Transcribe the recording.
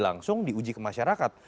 langsung diuji ke masyarakat